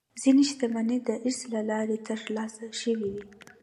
ځینې شتمنۍ د ارث له لارې ترلاسه شوې وي.